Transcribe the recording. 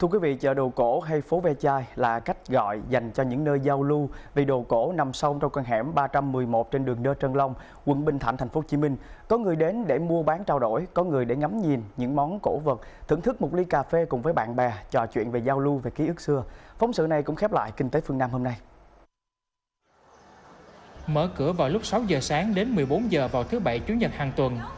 mở cửa vào lúc sáu giờ sáng đến một mươi bốn giờ vào thứ bảy chủ nhật hàng tuần